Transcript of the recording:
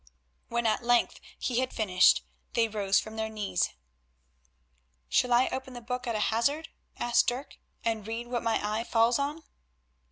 When at length he had finished they rose from their knees. "Shall I open the Book at a hazard," asked Dirk, "and read what my eye falls on?"